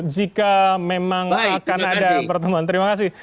jika memang akan ada pertemuan terima kasih